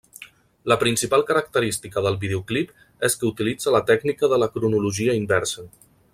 La principal característica del videoclip és que utilitza la tècnica de la cronologia inversa.